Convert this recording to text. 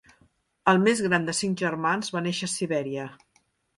El més gran de cinc germans, va néixer a Sibèria.